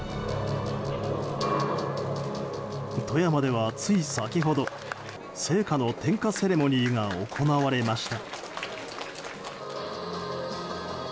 富山ではつい先ほど聖火の点火セレモニーが行われました。